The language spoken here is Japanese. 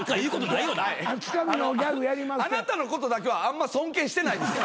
あなたのことだけはあんま尊敬してないです。